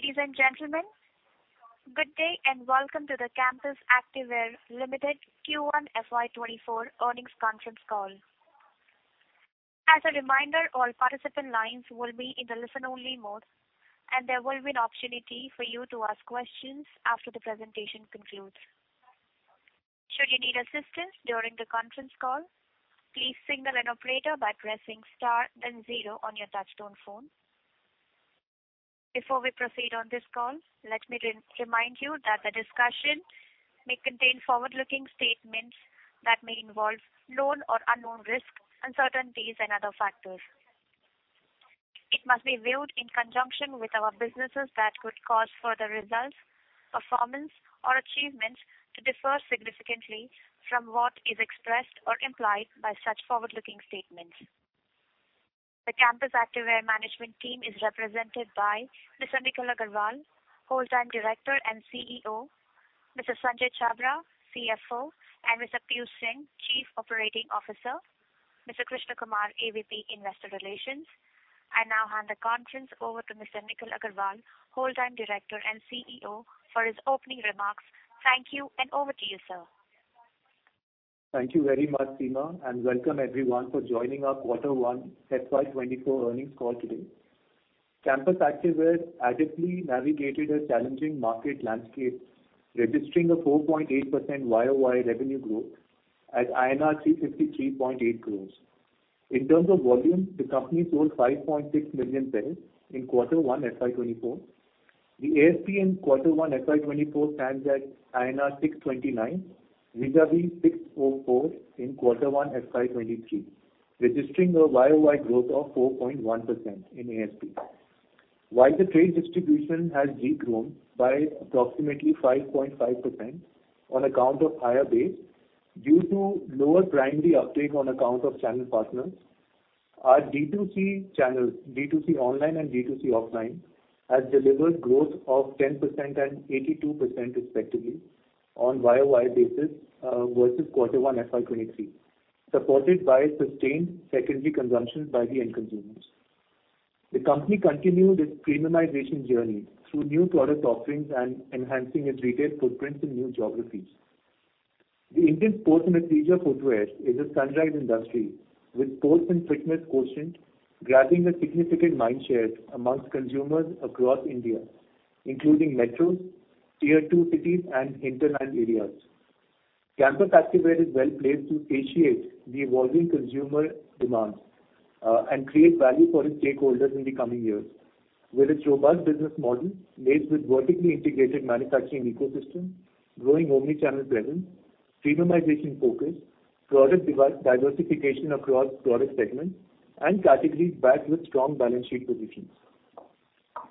Ladies and gentlemen, good day, and welcome to the Campus Activewear Limited Q1 FY24 earnings conference call. As a reminder, all participant lines will be in the listen-only mode, and there will be an opportunity for you to ask questions after the presentation concludes. Should you need assistance during the conference call, please signal an operator by pressing star, then zero on your touchtone phone. Before we proceed on this call, let me re-remind you that the discussion may contain forward-looking statements that may involve known or unknown risks, uncertainties, and other factors. It must be viewed in conjunction with our businesses that could cause further results, performance, or achievements to differ significantly from what is expressed or implied by such forward-looking statements. The Campus Activewear management team is represented by Mr. Nikhil Aggarwal, Whole-Time Director and CEO, Mr. Sanjay Chhabra, CFO, and Mr. Piyush Singh, Chief Operating Officer, Mr. Krishna Kumar, AVP, Investor Relations. I now hand the conference over to Mr. Nikhil Aggarwal, Whole-Time Director and CEO, for his opening remarks. Thank you, and over to you, sir. Thank you very much, Seema, and welcome everyone for joining our Q1 FY24 earnings call today. Campus Activewear adeptly navigated a challenging market landscape, registering a 4.8% YoY revenue growth at INR 353.8 crore. In terms of volume, the company sold 5.6 million pairs in Q1 FY24. The ASP in Q1 FY24, stands at INR 629 compared with 644 in Q1 FY23, registering a YoY growth of 4.1% in ASP. While the trade distribution has de-grown by approximately 5.5% on account of higher base, due to lower primary uptake on account of channel partners, our D2C channels-online and offline-have delivered growth of 10% and 82% respectively on YoY basis versus Q1 FY23, supported by sustained secondary consumption by the end consumers. The company continued its premiumization journey through new product offerings and enhancing its retail footprints in new geographies. The Indian sports and leisure footwear is a sunrise industry, with sports and fitness quotient grabbing a significant mind share amongst consumers across India, including metros, tier two cities, and hinterland areas. Campus Activewear is well placed to appreciate the evolving consumer demands, and create value for its stakeholders in the coming years, with its robust business model based with vertically integrated manufacturing ecosystem, growing omni-channel presence, premiumization focus, product diversification across product segments, and categories backed with strong balance sheet positions.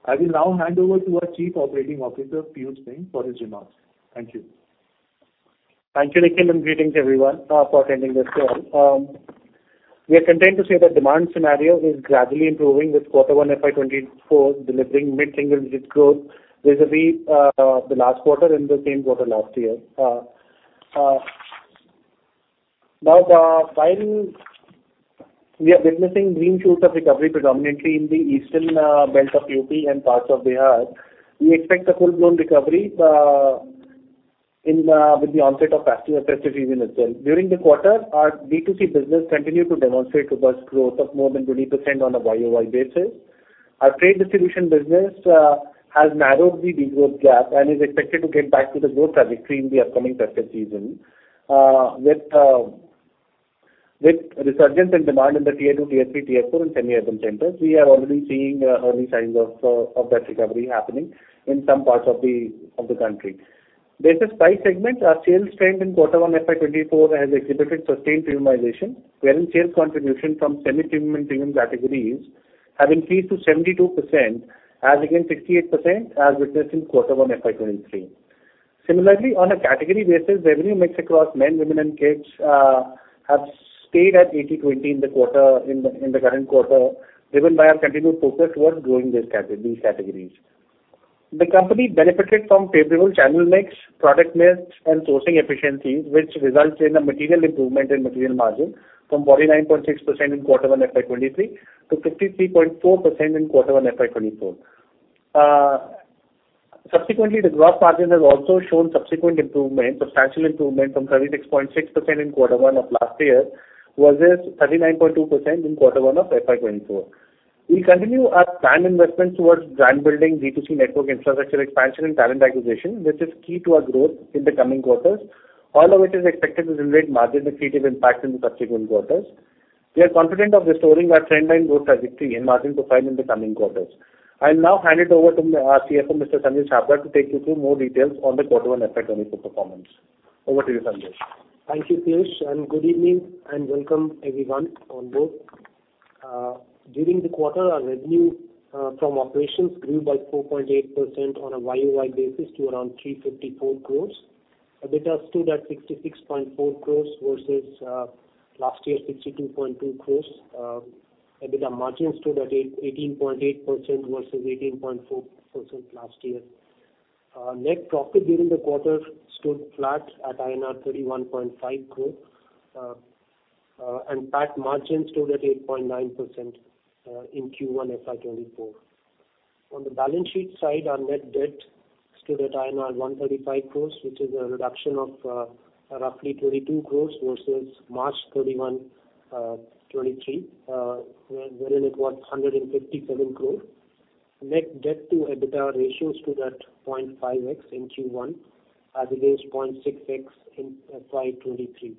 I will now hand over to our Chief Operating Officer, Piyush Singh, for his remarks. Thank you. Thank you, Nikhil, and greetings, everyone, for attending this call. We are content to say that demand scenario is gradually improving, with Q1 FY24 delivering mid-single digit growth vis-à-vis the last quarter and the same quarter last year. Now, while we are witnessing green shoots of recovery predominantly in the eastern belt of UP and parts of Bihar, we expect a full-blown recovery with the onset of festive season itself. During the quarter, our D2C business continued to demonstrate robust growth of more than 20% on a YoY basis. Our trade distribution business has narrowed the degrowth gap and is expected to get back to the growth trajectory in the upcoming festive season. With resurgence in demand in the Tier 2, Tier 3, Tier 4, and semi-urban centers, we are already seeing early signs of that recovery happening in some parts of the country. Business by segment, our sales trend in Q1 FY24, has exhibited sustained premiumization, wherein sales contribution from semi-premium and premium categories have increased to 72%, as against 68% as witnessed in Q1 FY23. Similarly, on a category basis, revenue mix across men, women, and kids have stayed at 80:20 in the quarter, in the current quarter, driven by our continued focus towards growing these categories. The company benefited from favorable channel mix, product mix, and sourcing efficiencies, which results in a material improvement in material margin from 49.6% in Q1 FY23, to 53.4% in Q1, FY24. Subsequently, the gross margin has also shown subsequent improvement, substantial improvement from 36.6% in Q1 of last year, versus 39.2% in Q1 of FY24. We continue our planned investment towards brand building, B2C network infrastructure expansion, and talent acquisition, which is key to our growth in the coming quarters, all of which is expected to generate margin accretive impact in the subsequent quarters. We are confident of restoring our trendline growth trajectory and margin profile in the coming quarters. I'll now hand it over to CFO Mr. Sanjay Chhabra, to take you through more details on the Q1 FY24 performance. Over to you, Sanjay. Thank you, Piyush, and good evening, and welcome, everyone, on board. During the quarter, our revenue from operations grew by 4.8% on a YoY basis to around 354 crore. EBITDA stood at 66.4 crore versus last year 62.2 crore. EBITDA margins stood at eighteen point eight percent versus 18.4% last year. Net profit during the quarter stood flat at INR 31.5 crore, and PAT margin stood at 8.9% in Q1 FY24. On the balance sheet side, our net debt stood at INR 135 crore, which is a reduction of roughly 22 crore versus March 31, 2023, wherein it was 157 crore. Net debt to EBITDA ratio stood at 0.5x in Q1, as against 0.6x in FY23.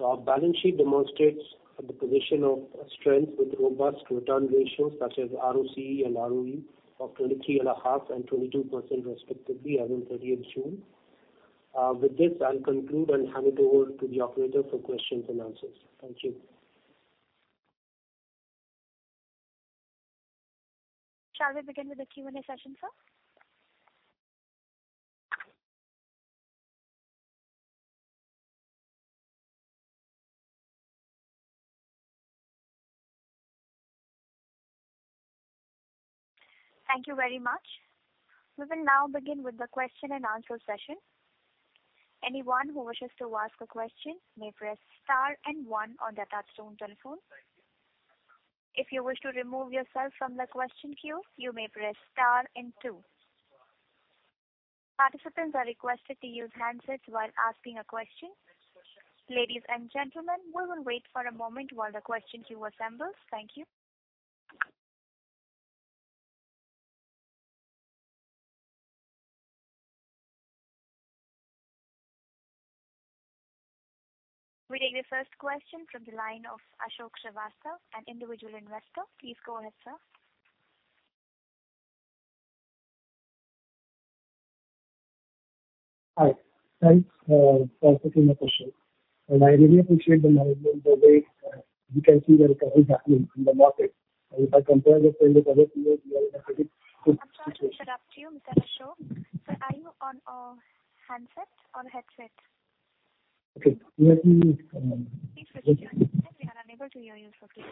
Our balance sheet demonstrates the position of strength with robust return ratios such as ROCE and ROE of 23.5% and 22%, respectively, as of June 30. With this, I'll conclude and hand it over to the operator for questions and answers. Thank you. Shall we begin with the Q&A session, sir? Thank you very much. We will now begin with the question and answer session. Anyone who wishes to ask a question may press star and one on their touch-tone telephone. If you wish to remove yourself from the question queue, you may press star and two. Participants are requested to use handsets while asking a question. Ladies and gentlemen, we will wait for a moment while the question queue assembles. Thank you. We take the first question from the line of Ashok Srivastava, an individual investor. Please go ahead, sir. Hi. Thanks for taking my question, and I really appreciate the management, the way we can see the recovery happening in the market. And if I compare the same with other peers, we are in a very good- I'm sorry to interrupt you, Mr. Ashok. Sir, are you on a handset or a headset? Okay. Let me, Please repeat your question. We are unable to hear you, sir, please.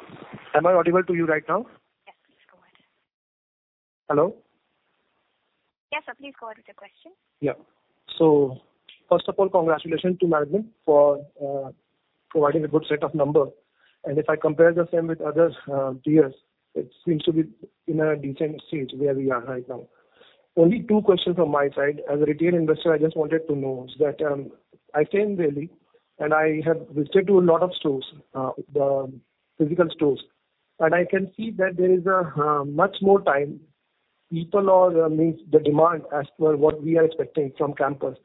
Am I audible to you right now? Yes, please go ahead. Hello? Yes, sir, please go ahead with your question. Yeah. So first of all, congratulations to management for providing a good set of numbers. And if I compare the same with others, peers, it seems to be in a decent stage where we are right now. Only two questions from my side. As a retail investor, I just wanted to know that I came really, and I have visited a lot of stores, the physical stores, and I can see that there is much more time people are—means the demand as per what we are expecting from Campus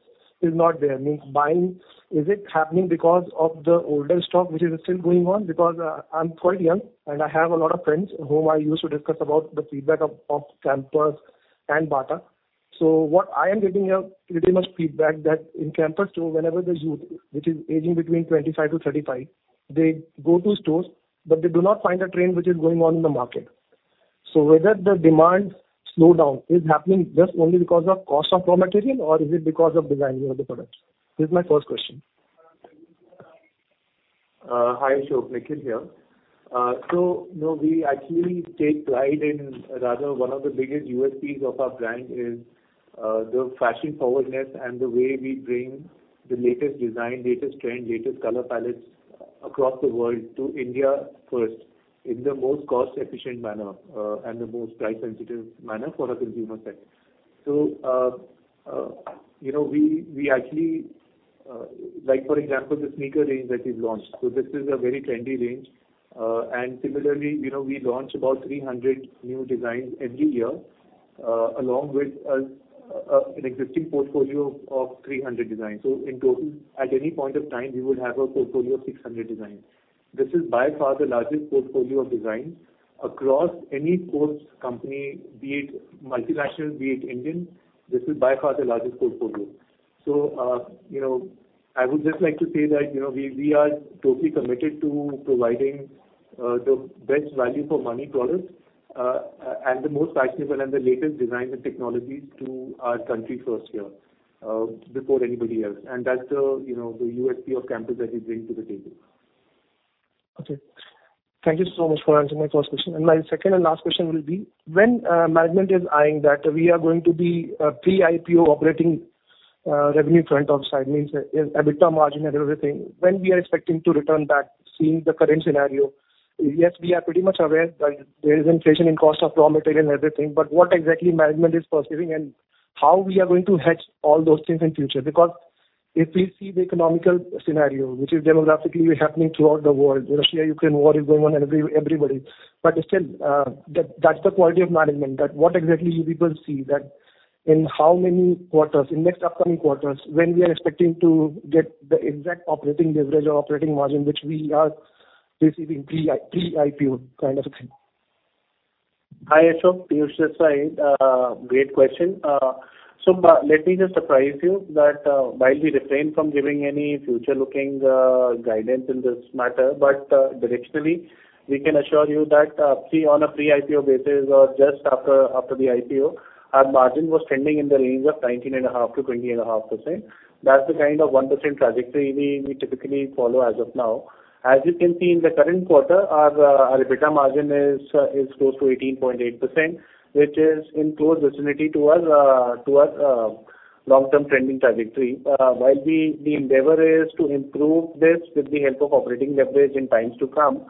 is not there. Means buying, is it happening because of the older stock, which is still going on? Because I'm quite young, and I have a lot of friends whom I used to discuss about the feedback of Campus and Bata. So what I am getting a pretty much feedback that in Campus store, whenever there's youth, which is aging between 25-35, they go to stores, but they do not find a trend which is going on in the market. So whether the demand slowdown is happening just only because of cost of raw material, or is it because of designing of the products? This is my first question. Hi, Ashok. Nikhil here. So, you know, we actually take pride in, rather, one of the biggest USPs of our brand is the fashion forwardness and the way we bring the latest design, latest trend, latest color palettes across the world to India first, in the most cost efficient manner, and the most price sensitive manner for our consumer set. So, you know, we actually... Like, for example, the sneaker range that we've launched. So this is a very trendy range. And similarly, you know, we launch about 300 new designs every year, along with an existing portfolio of 300 designs. So in total, at any point of time, we would have a portfolio of 600 designs. This is by far the largest portfolio of designs across any such company, be it multinational, be it Indian. This is by far the largest portfolio. So, you know, I would just like to say that, you know, we are totally committed to providing the best value for money products and the most fashionable and the latest designs and technologies to our country first here, before anybody else. And that's the, you know, the USP of Campus that we bring to the table. Okay. Thank you so much for answering my first question. My second and last question will be: When, management is eyeing that we are going to be, pre-IPO operating, revenue front offside, means EBITDA margin and everything, when we are expecting to return back, seeing the current scenario? Yes, we are pretty much aware that there is inflation in cost of raw material and everything, but what exactly management is perceiving and how we are going to hedge all those things in future? Because if we see the economic scenario, which is demographically happening throughout the world, Russia-Ukraine war is going on and everybody, but still, that, that's the quality of management, that what exactly you people see that in how many quarters, in next upcoming quarters, when we are expecting to get the exact operating leverage or operating margin which we are receiving pre-IPO kind of a thing? Hi, Ashok. Piyush Singh. Great question. So, let me just surprise you that, while we refrain from giving any future looking guidance in this matter, but, directionally, we can assure you that, on a pre-IPO basis or just after, after the IPO, our margin was trending in the range of 19.5%-20.5%. That's the kind of 1% trajectory we typically follow as of now. As you can see, in the current quarter, our EBITDA margin is close to 18.8%, which is in close vicinity to our long-term trending trajectory. While we, the endeavor is to improve this with the help of operating leverage in times to come.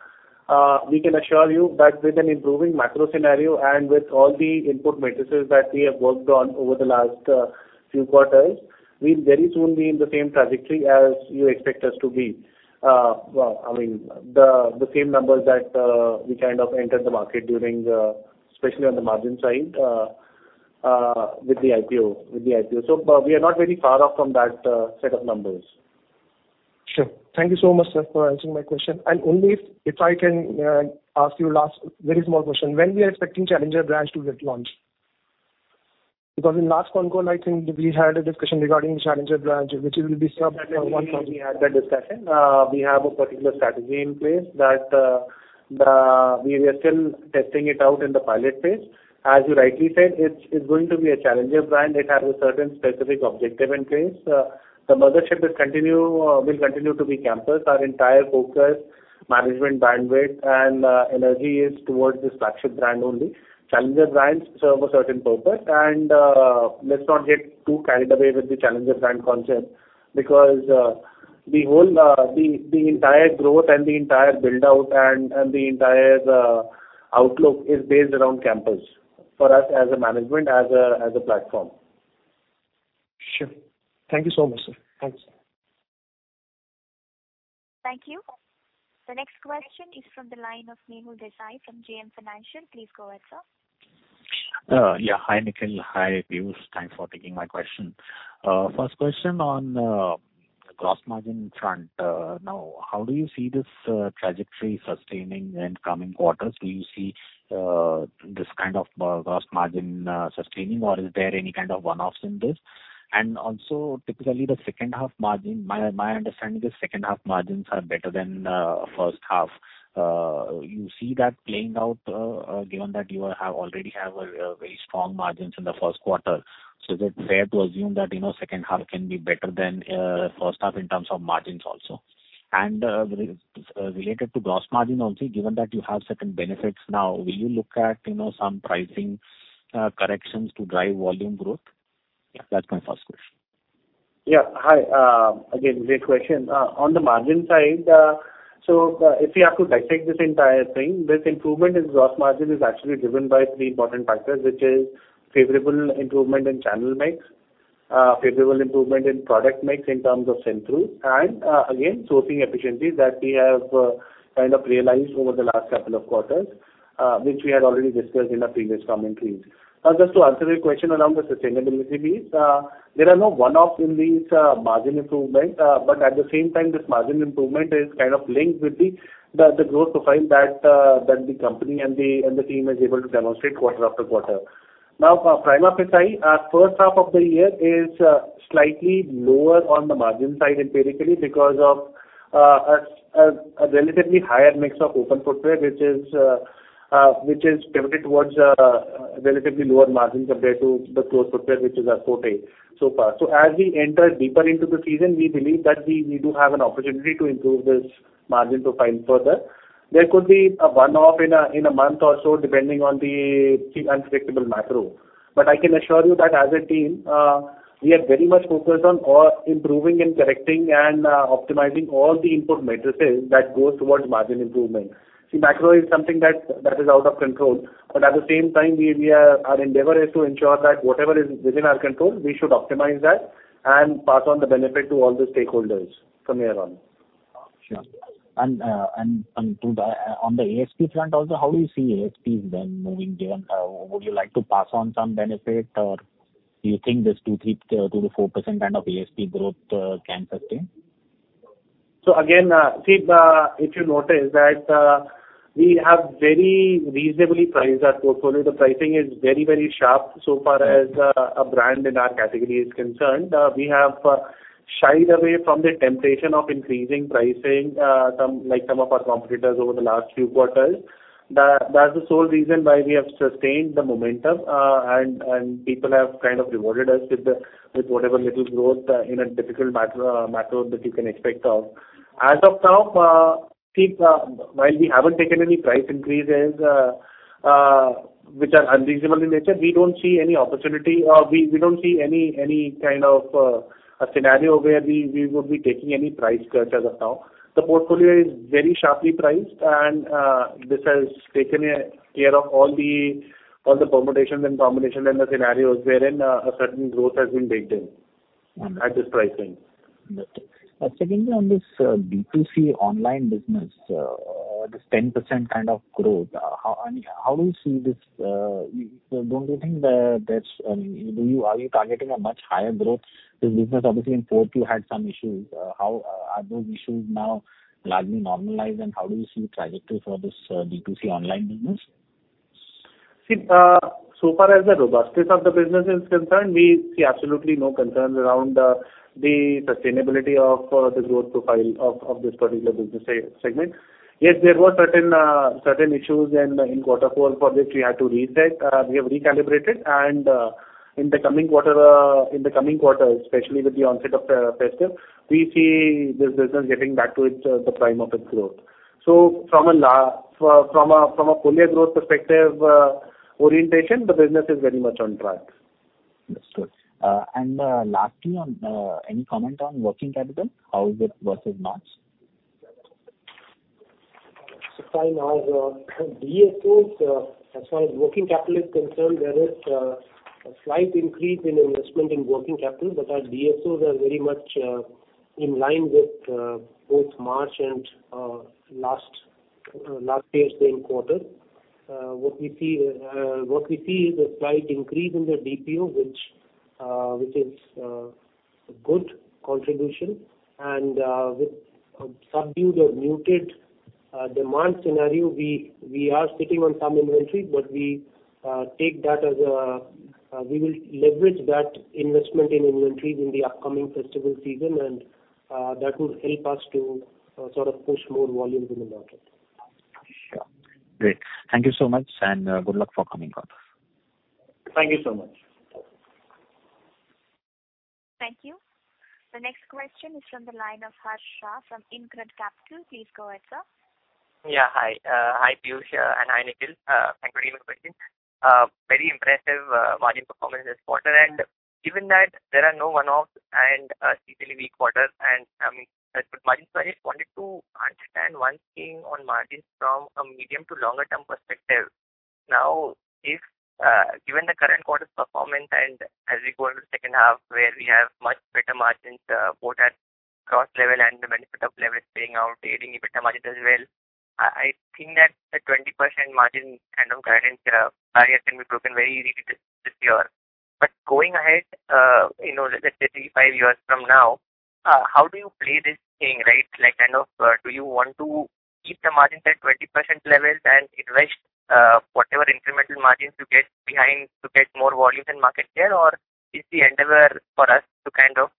We can assure you that with an improving macro scenario and with all the input matrices that we have worked on over the last few quarters, we'll very soon be in the same trajectory as you expect us to be. Well, I mean, the same numbers that we kind of entered the market during, especially on the margin side, with the IPO, with the IPO. So but we are not very far off from that set of numbers. Sure. Thank you so much, sir, for answering my question. And only if, if I can, ask you last very small question, when we are expecting Challenger brand to get launched? Because in last concall, I think we had a discussion regarding Challenger brand, which will be served for one month. We had that discussion. We have a particular strategy in place that we are still testing it out in the pilot phase. As you rightly said, it's going to be a challenger brand. It has a certain specific objective in place. The mothership will continue to be Campus. Our entire focus, management, bandwidth, and energy is towards this flagship brand only. Challenger brands serve a certain purpose, and let's not get too carried away with the challenger brand concept, because the whole, the entire growth and the entire build out and the entire outlook is based around Campus for us as a management, as a platform. Sure. Thank you so much, sir. Thanks. Thank you. The next question is from the line of Mehul Desai from JM Financial. Please go ahead, sir. Yeah. Hi, Nikhil. Hi, Piyush. Thanks for taking my question. First question on gross margin front. Now, how do you see this trajectory sustaining in coming quarters? Do you see this kind of gross margin sustaining, or is there any kind of one-offs in this? And also, typically, the second half margin, my understanding is second half margins are better than first half. You see that playing out, given that you have already have a very strong margins in the first quarter. So is it fair to assume that, you know, second half can be better than first half in terms of margins also? And, related to gross margin also, given that you have certain benefits now, will you look at, you know, some pricing corrections to drive volume growth? That's my first question. Yeah. Hi, again, great question. On the margin side, so, if you have to dissect this entire thing, this improvement in gross margin is actually driven by three important factors, which is favorable improvement in channel mix, favorable improvement in product mix in terms of sell-through, and, again, sourcing efficiencies that we have kind of realized over the last couple of quarters, which we had already discussed in our previous commentaries. Just to answer your question around the sustainability piece, there are no one-off in these margin improvement, but at the same time, this margin improvement is kind of linked with the growth profile that the company and the team is able to demonstrate quarter-after- quarter. Now, prima facie, first half of the year is slightly lower on the margin side empirically because of a relatively higher mix of open footwear, which is which is pivoted towards relatively lower margins compared to the closed footwear, which is our forte so far. So as we enter deeper into the season, we believe that we do have an opportunity to improve this margin profile further. There could be a one-off in a month or so, depending on the unpredictable macro. But I can assure you that as a team, we are very much focused on or improving and correcting and optimizing all the input matrices that goes towards margin improvement. See, macro is something that is out of control, but at the same time, our endeavor is to ensure that whatever is within our control, we should optimize that and pass on the benefit to all the stakeholders from here on. Sure. And on the ASP front also, how do you see ASPs then moving down? Would you like to pass on some benefit, or do you think this 2%-4% kind of ASP growth can sustain? So again, see, if you notice that, we have very reasonably priced our portfolio. The pricing is very, very sharp so far as, a brand in our category is concerned. We have, shied away from the temptation of increasing pricing, some, like some of our competitors over the last few quarters. That, that's the sole reason why we have sustained the momentum, and, and people have kind of rewarded us with with whatever little growth, in a difficult macro that you can expect of. As of now, see, while we haven't taken any price increases, which are unreasonable in nature, we don't see any opportunity, or we, we don't see any, any kind of, a scenario where we, we would be taking any price surge as of now. The portfolio is very sharply priced, and this has taken care of all the permutations and combinations and the scenarios wherein a certain growth has been baked in at this pricing. Got you. Secondly, on this B2C online business, this 10% kind of growth, how, and how do you see this... Don't you think, there's, I mean, are you targeting a much higher growth? This business, obviously, in Q4, you had some issues. How are those issues now largely normalized, and how do you see the trajectory for this B2C online business? See, so far as the robustness of the business is concerned, we see absolutely no concerns around the sustainability of the growth profile of this particular business segment. Yes, there were certain issues, and in quarter four, for this, we had to reset. We have recalibrated, and in the coming quarter, in the coming quarter, especially with the onset of the festive, we see this business getting back to its the prime of its growth. So from a from a full year growth perspective, orientation, the business is very much on track.... That's good. And, lastly, on any comment on working capital? How is it versus March? So fine, our DSOs, as far as working capital is concerned, there is, a slight increase in investment in working capital, but our DSOs are very much, in line with, both March and, last, last year's same quarter. What we see, what we see is a slight increase in the DPO, which, which is, a good contribution. And, with a subdued or muted, demand scenario, we, we are sitting on some inventory, but we, take that as a, we will leverage that investment in inventories in the upcoming festival season, and, that would help us to, sort of push more volumes in the market. Sure. Great. Thank you so much, and good luck for coming quarter. Thank you so much. Thank you. The next question is from the line of Harsh Shah from InCred Capital. Please go ahead, sir. Yeah, hi. Hi, Piyush, and hi, Nikhil. Thank you for taking my question. Very impressive, volume performance this quarter. And given that there are no one-offs and a seasonally weak quarter, and, I mean, good margin. So I just wanted to understand one thing on margins from a medium to longer term perspective. Now, if, given the current quarter's performance and as we go into the second half, where we have much better margins, both at gross level and the benefit of leverage paying out, the EBITDA margin as well, I, I think that the 20% margin kind of guidance, barrier can be broken very easily this, this year. But going ahead, you know, let's say three, five years from now, how do you play this thing, right? Like, kind of, do you want to keep the margins at 20% levels and invest, whatever incremental margins you get behind to get more volumes in market share? Or is the endeavor for us to kind of,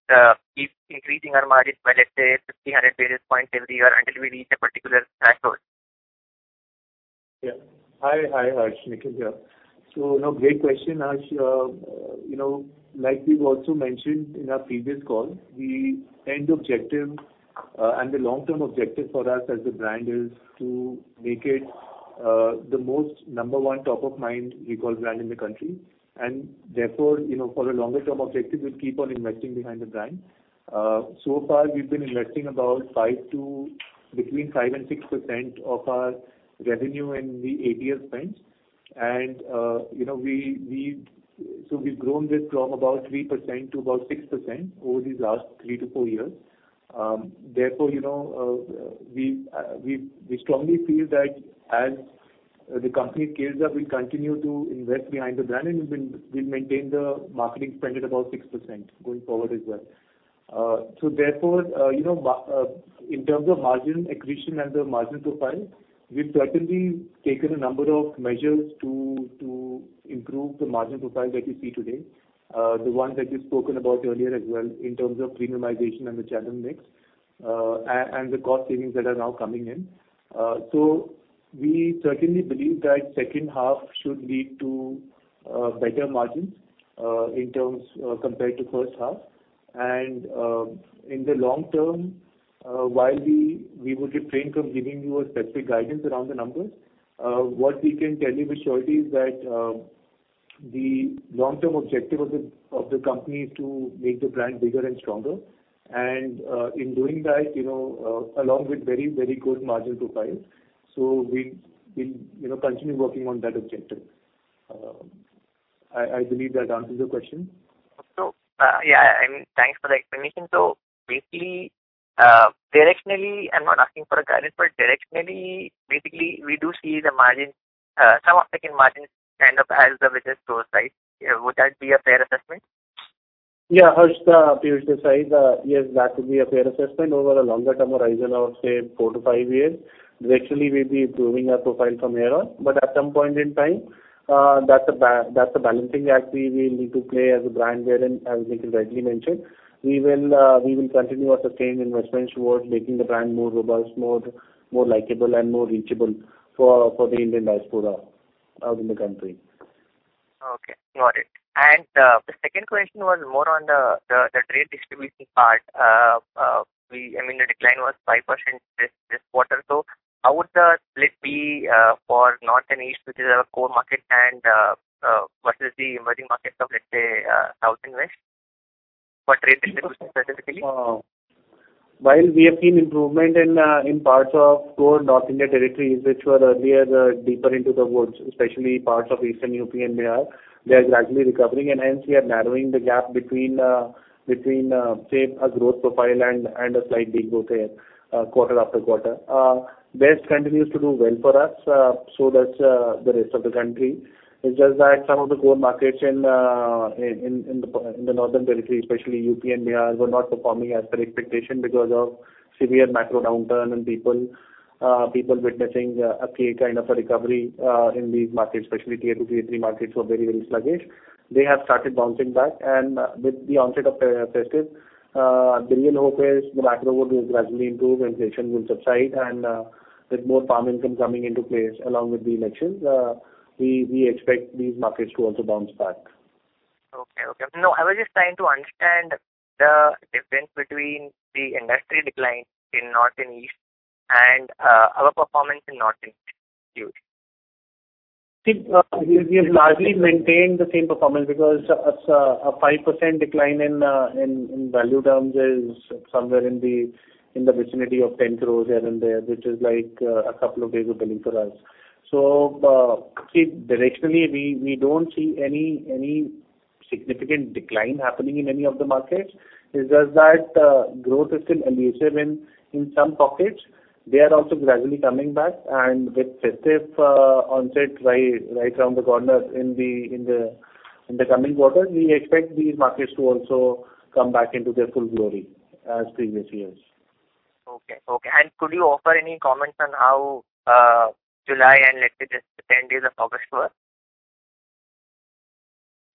keep increasing our margins by, let's say, 50 to 100 basis points every year until we reach a particular threshold? Yeah. Hi, hi, Harsh. Nikhil here. So no, great question, Harsh. You know, like we've also mentioned in our previous call, the end objective and the long-term objective for us as a brand is to make it the most number one top-of-mind recall brand in the country. And therefore, you know, for a longer-term objective, we'll keep on investing behind the brand. So far, we've been investing about 5 to between 5% to 6% of our revenue in the ATL spends. And, you know, we've grown this from about 3% to about 6% over these last three to four years. Therefore, you know, we strongly feel that as the company scales up, we'll continue to invest behind the brand, and we'll maintain the marketing spend at about 6% going forward as well. So therefore, you know, in terms of margin accretion and the margin profile, we've certainly taken a number of measures to improve the margin profile that you see today. The ones that we've spoken about earlier as well, in terms of premiumization and the channel mix, and the cost savings that are now coming in. So we certainly believe that second half should lead to better margins in terms compared to first half. In the long term, while we would refrain from giving you a specific guidance around the numbers, what we can tell you with surety is that the long-term objective of the company is to make the brand bigger and stronger. In doing that, you know, along with very, very good margin profile. So we'll, you know, continue working on that objective. I believe that answers your question. Yeah, I mean, thanks for the explanation. Basically, directionally, I'm not asking for a guidance, but directionally, basically, we do see the margin, some of the second margins kind of as the business grows, right? Would that be a fair assessment? Yeah, Harsh, Piyush this side. Yes, that would be a fair assessment over a longer term horizon of, say, four to five years. Directionally, we'll be improving our profile from here on, but at some point in time, that's a balancing act we will need to play as a brand, wherein, as Nikhil rightly mentioned, we will continue our sustained investment towards making the brand more robust, more likable, and more reachable for the Indian diaspora out in the country. Okay, got it. And, the second question was more on the trade distribution part. I mean, the decline was 5% this quarter. So how would the split be for north and east, which is our core market, and versus the emerging markets of, let's say, south and west, for trade distribution specifically? While we have seen improvement in parts of core North India territories, which were earlier deeper into the woods, especially parts of eastern UP and Bihar, they are gradually recovering, and hence we are narrowing the gap between, say, a growth profile and a slight decline quarter after quarter. West continues to do well for us, so that's the rest of the country. It's just that some of the core markets in the northern territory, especially UP and Bihar, were not performing as per expectation because of severe macro downturn and people witnessing a kind of a recovery in these markets, especially Tier 2, Tier 3 markets were very, very sluggish. They have started bouncing back, and with the onset of festive, the real hope is the macro would gradually improve, inflation will subside, and with more farm income coming into place, along with the elections, we, we expect these markets to also bounce back. Okay, okay. No, I was just trying to understand the difference between the industry decline in North and East... and our performance in North India? See, we have largely maintained the same performance, because a 5% decline in value terms is somewhere in the vicinity of 10 crore here and there, which is like a couple of days of billing for us. So, see, directionally, we don't see any significant decline happening in any of the markets. It's just that growth is still elusive in some pockets. They are also gradually coming back, and with festive onset right around the corner in the coming quarter, we expect these markets to also come back into their full glory as previous years. Okay. Okay, and could you offer any comments on how July and let's say just the 10 days of August were,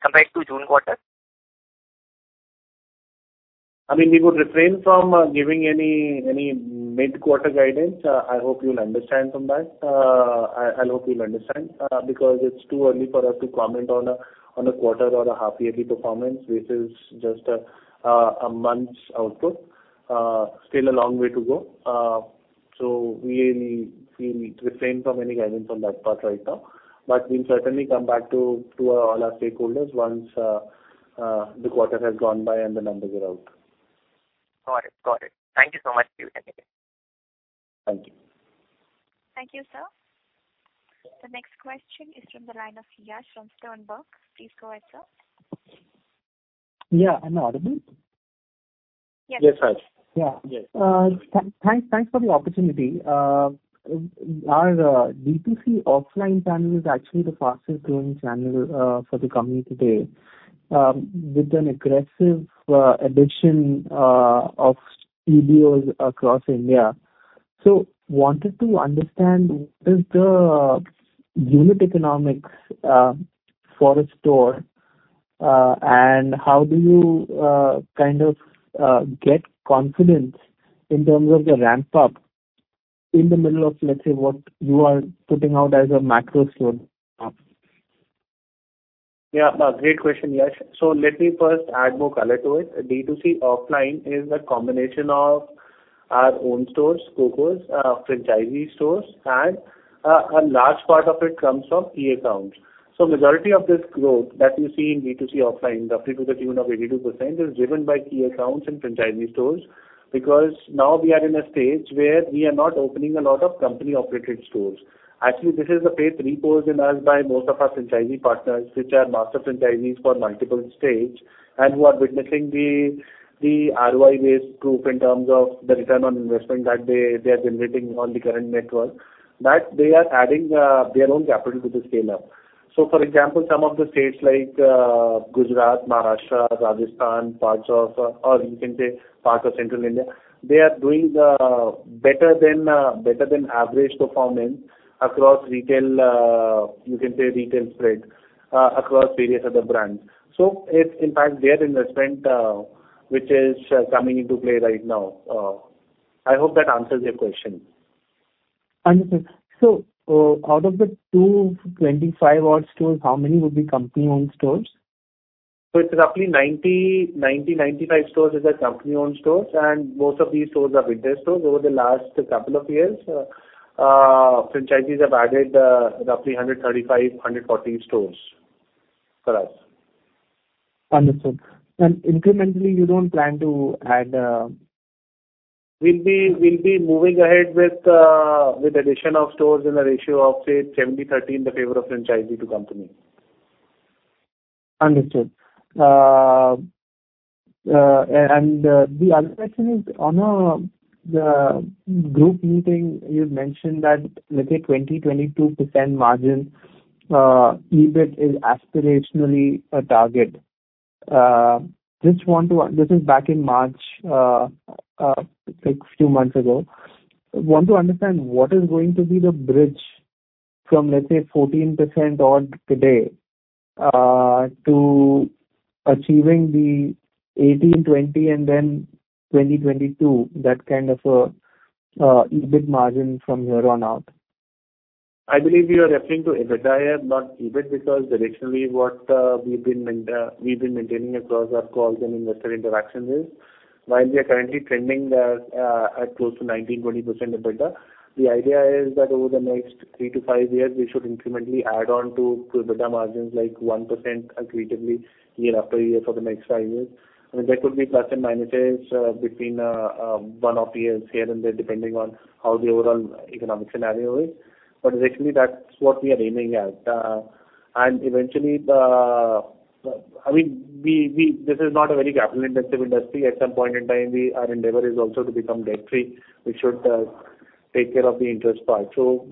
compared to June quarter? I mean, we would refrain from giving any mid-quarter guidance. I hope you'll understand from that. I hope you'll understand, because it's too early for us to comment on a quarter or a half-yearly performance. This is just a month's output. Still a long way to go. So we refrain from any guidance on that part right now. But we'll certainly come back to all our stakeholders once the quarter has gone by and the numbers are out. Got it. Got it. Thank you so much, Deep, anyway. Thank you. Thank you, sir. The next question is from the line of Yash from Steinberg. Please go ahead, sir. Yeah, am I audible? Yes, Yash. Yeah. Yes. Thanks for the opportunity. Our D2C offline channel is actually the fastest growing channel for the company today with an aggressive addition of studios across India. So wanted to understand what is the unit economics for a store and how do you kind of get confidence in terms of the ramp up in the middle of, let's say, what you are putting out as a macro slow down? Yeah, a great question, Yash. So let me first add more color to it. D2C offline is a combination of our own stores, COCO, franchisee stores, and a large part of it comes from key accounts. So majority of this growth that you see in D2C offline, up to the tune of 82%, is driven by key accounts and franchisee stores. Because now we are in a stage where we are not opening a lot of company-operated stores. Actually, this is the phase three posed in us by most of our franchisee partners, which are master franchisees for multiple states, and who are witnessing the, the ROI-based proof in terms of the return on investment that they, they are generating on the current network, that they are adding their own capital to the scale-up. So for example, some of the states like, Gujarat, Maharashtra, Rajasthan, parts of, or you can say parts of Central India, they are doing, better than, better than average performance across retail, you can say, retail spread, across various other brands. So it's in fact their investment, which is coming into play right now. I hope that answers your question. Understood. So, out of the 225 odd stores, how many would be company-owned stores? It's roughly 90 to 95 stores are our company-owned stores, and most of these stores are bigger stores. Over the last couple of years, franchisees have added roughly 135 to 140 stores for us. Understood. Incrementally, you don't plan to add, We'll be, we'll be moving ahead with, with addition of stores in a ratio of, say, 70:30, in the favor of franchisee to company. Understood. And the other question is, on the group meeting, you mentioned that, let's say, 22% margin, EBIT is aspirationally a target. Just want to-- this is back in March, like few months ago. Want to understand, what is going to be the bridge from, let's say, 14% odd today, to achieving the 18%, 20%, and then 22%, that kind of EBIT margin from here on out? I believe you are referring to EBITDA here, not EBIT, because directionally, what we've been maintaining across our calls and investor interactions is, while we are currently trending at close to 19% -20% EBITDA, the idea is that over the next three to five years, we should incrementally add on to EBITDA margins, like 1% accretively, year-after-year for the next five years. I mean, there could be plus and minuses between one or two years here and there, depending on how the overall economic scenario is. But basically, that's what we are aiming at. And eventually, the... I mean, we, we-- this is not a very capital-intensive industry. At some point in time, we, our endeavor is also to become debt-free. We should take care of the interest part. So,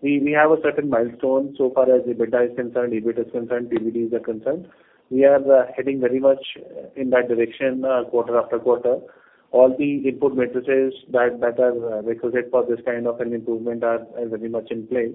we have a certain milestone so far as EBITDA is concerned, EBIT is concerned, DSOs are concerned. We are heading very much in that direction, quarter after quarter. All the input matrices that are requisite for this kind of an improvement are very much in play.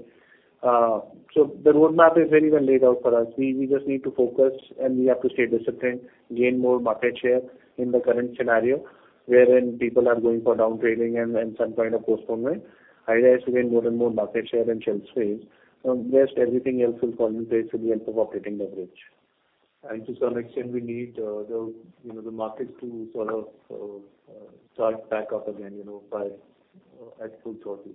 So the roadmap is very well laid out for us. We just need to focus and we have to stay disciplined, gain more market share in the current scenario, wherein people are going for downgrading and some kind of postponement. The idea is to gain more and more market share in shelf space, rest everything else will fall in place with the help of operating leverage... and to some extent, we need, you know, the market to sort of start back up again, you know, by at full throttle.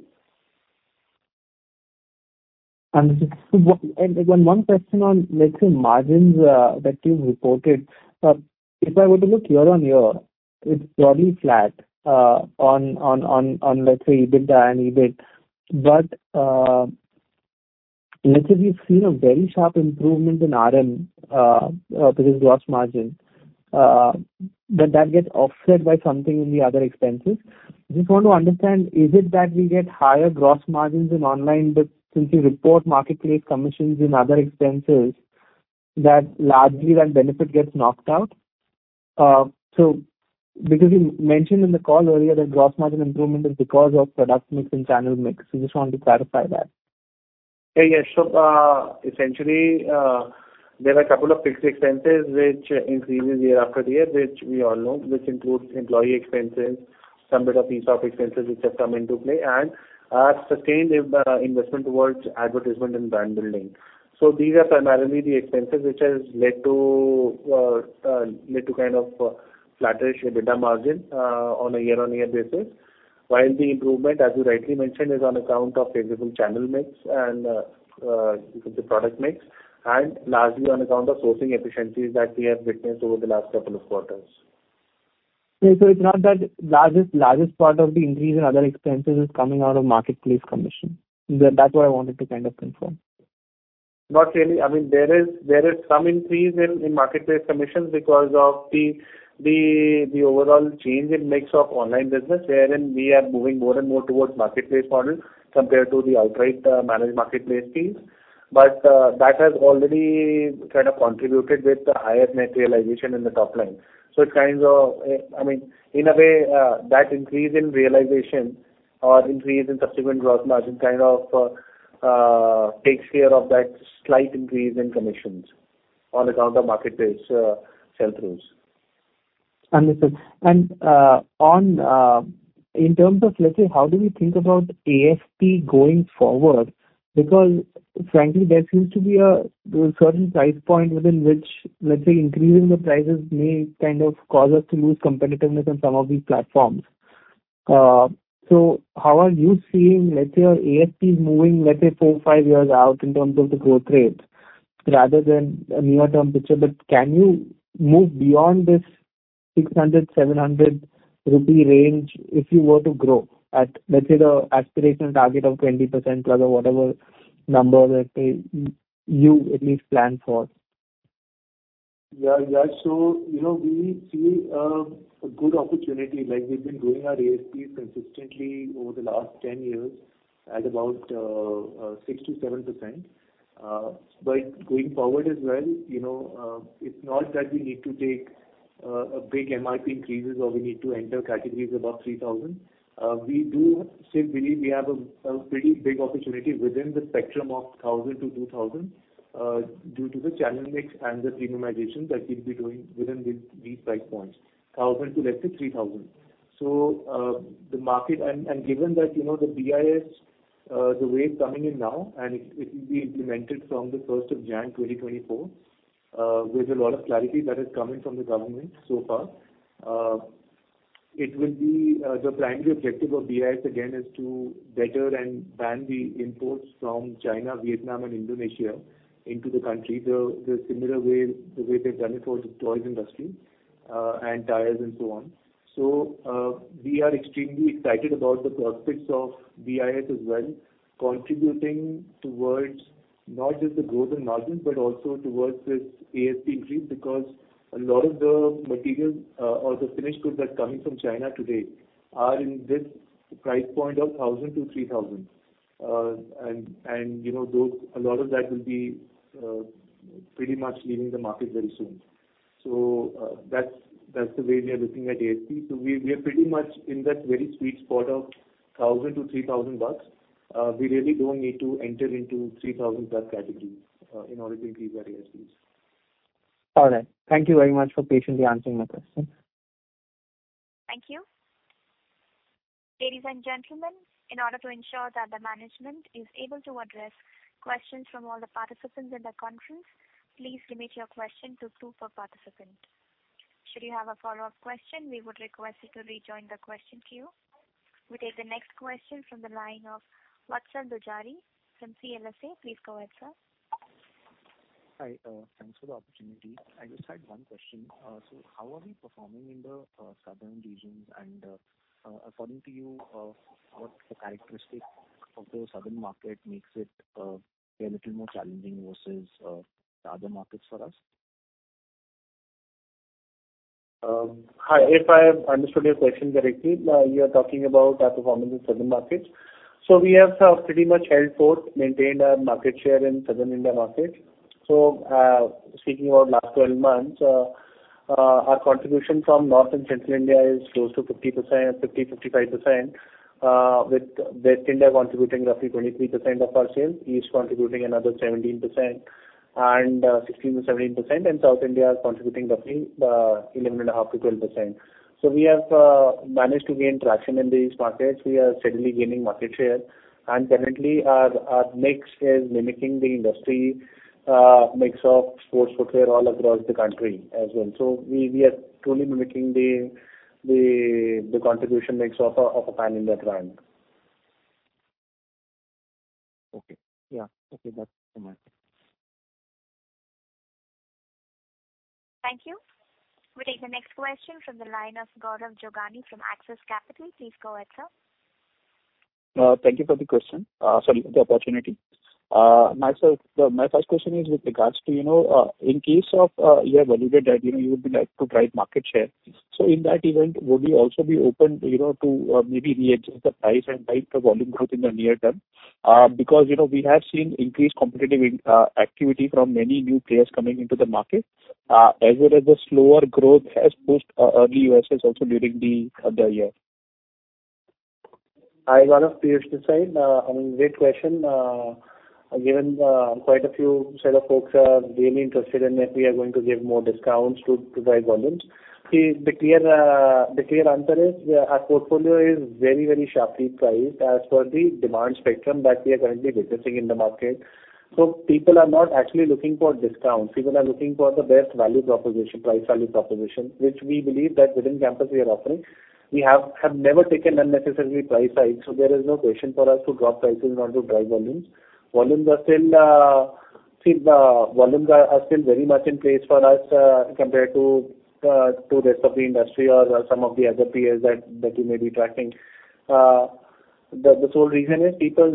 One question on, let's say, margins that you've reported. If I were to look year-on-year, it's probably flat on, let's say, EBITDA and EBIT. But let's say we've seen a very sharp improvement in RM business gross margin, but that gets offset by something in the other expenses. Just want to understand, is it that we get higher gross margins in online, but since you report marketplace commissions in other expenses, that largely that benefit gets knocked out? So because you mentioned in the call earlier that gross margin improvement is because of product mix and channel mix. So just want to clarify that. Yeah, yeah. So, essentially, there are a couple of fixed expenses which increases year after year, which we all know. This includes employee expenses, some bit of ESOP expenses which have come into play, and sustained investment towards advertisement and brand building. So these are primarily the expenses which has led to kind of a flattish EBITDA margin on a year-over-year basis. While the improvement, as you rightly mentioned, is on account of favorable channel mix and the product mix, and largely on account of sourcing efficiencies that we have witnessed over the last couple of quarters. It's not the largest, largest part of the increase in other expenses is coming out of marketplace commission. That's what I wanted to kind of confirm. Not really. I mean, there is some increase in marketplace commissions because of the overall change in mix of online business, wherein we are moving more and more towards marketplace model compared to the outright managed marketplace teams. But that has already kind of contributed with the higher net realization in the top line. So it's kind of, I mean, in a way, that increase in realization or increase in subsequent gross margin, kind of takes care of that slight increase in commissions on account of marketplace sell-throughs. Understood. And on in terms of, let's say, how do we think about ASP going forward? Because frankly, there seems to be a certain price point within which, let's say, increasing the prices may kind of cause us to lose competitiveness on some of these platforms. So how are you seeing, let's say, your ASPs moving, let's say, four to five years out in terms of the growth rates, rather than a near-term picture? But can you move beyond this 600-700 rupee range if you were to grow at, let's say, the aspirational target of 20% plus or whatever number that you at least plan for? Yeah, yeah. So, you know, we see a good opportunity, like we've been growing our ASP consistently over the last 10 years at about 6%-7%. But going forward as well, you know, it's not that we need to take a big MRP increases or we need to enter categories above 3,000. We do still believe we have a pretty big opportunity within the spectrum of 1,000-2,000, due to the channel mix and the premiumization that we'll be doing within these price points, 1,000 to, let's say, 3,000. So, the market... And given that, you know, the BIS, the way it's coming in now, and it will be implemented from the first of January 2024, with a lot of clarity that is coming from the government so far. It will be the primary objective of BIS again is to better and ban the imports from China, Vietnam and Indonesia into the country, the similar way, the way they've done it for the toys industry, and tires and so on. So, we are extremely excited about the prospects of BIS as well, contributing towards not just the growth in margins, but also towards this ASP increase. Because a lot of the materials or the finished goods that's coming from China today are in this price point of 1,000-3,000. And, you know, those, a lot of that will be pretty much leaving the market very soon. So, that's the way we are looking at ASP. So we are pretty much in that very sweet spot of 1,000-3,000 bucks. We really don't need to enter into 3,000+ categories, in order to increase our ASPs. All right. Thank you very much for patiently answering my question. Thank you. Ladies and gentlemen, in order to ensure that the management is able to address questions from all the participants in the conference, please limit your question to two per participant. Should you have a follow-up question, we would request you to rejoin the question queue. We take the next question from the line of Vatsal Dujari from CLSA. Please go ahead, sir. Hi, thanks for the opportunity. I just had one question. How are we performing in the southern regions? According to you, what characteristic of the southern market makes it a little more challenging versus the other markets for us? Hi, if I understood your question correctly, you are talking about our performance in southern markets. We have pretty much held forth, maintained our market share in southern India market. Speaking about last 12 months, our contribution from North and Central India is close to 50%-55% with West India contributing roughly 23% of our sales, East contributing another 17%, and 16%-17%, and South India is contributing roughly 11.5%-12%. We have managed to gain traction in these markets. We are steadily gaining market share, and currently, our mix is mimicking the industry mix of sports footwear all across the country as well. We are truly mimicking the contribution mix of a pan-India brand. Okay. Yeah. Okay, that's so much. Thank you. We take the next question from the line of Gaurav Jogani from Axis Capital. Please go ahead, sir. Thank you for the question, sorry, the opportunity. Myself, my first question is with regards to, you know, in case you have validated that, you know, you would like to drive market share. So in that event, would you also be open, you know, to maybe readjust the price and drive the volume growth in the near term? Because, you know, we have seen increased competitive activity from many new players coming into the market, as well as the slower growth has pushed early EOSS also during the year. Hi, Gaurav. Piyush this side. I mean, great question. Given quite a few set of folks are really interested in that, we are going to give more discounts to drive volumes. See, the clear answer is, our portfolio is very, very sharply priced as per the demand spectrum that we are currently witnessing in the market. So people are not actually looking for discounts. People are looking for the best value proposition, price value proposition, which we believe that within Campus we are offering. We have never taken unnecessarily price hike, so there is no question for us to drop prices in order to drive volumes. Volumes are still the volumes are still very much in place for us, compared to to rest of the industry or some of the other peers that you may be tracking. The sole reason is people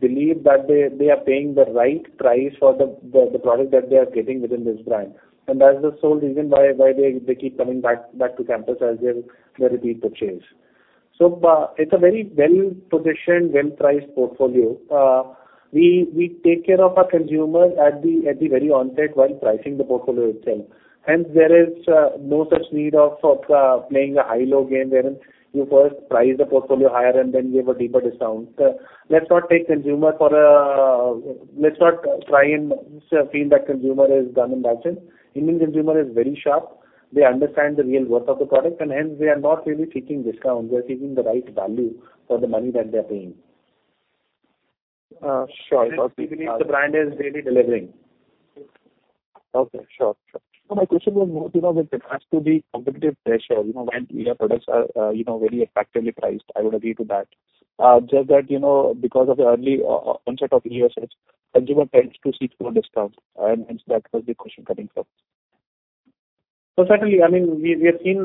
believe that they are paying the right price for the product that they are getting within this brand. And that's the sole reason why they keep coming back to Campus as their repeat purchase. So it's a very well-positioned, well-priced portfolio. We take care of our consumers at the very onset while pricing the portfolio itself, and there is no such need of playing a high-low game, wherein you first price the portfolio higher and then give a deeper discount. Let's not take consumer for a... Let's not try and assume that consumer is dumb in that sense. Indian consumer is very sharp. They understand the real worth of the product, and hence, they are not really seeking discount. They are seeking the right value for the money that they are paying. Uh, sure. We believe the brand is really delivering. Okay, sure. Sure. My question was more, you know, with regards to the competitive pressure, you know, while your products are, you know, very effectively priced, I would agree to that. Just that, you know, because of the early onset of ESS, consumer tends to seek more discount, and hence that was the question coming from. So certainly, I mean, we have seen